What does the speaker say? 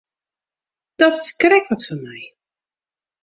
Dat is krekt wat foar my.